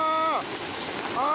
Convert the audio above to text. ああ！